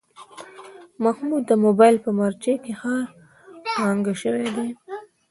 محمود د مبایل په مارچه کې ښه ټانټه شوی دی.